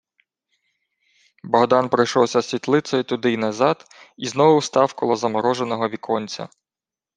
Богдан пройшовся світлицею туди й назад і знову став коло замороженого віконця.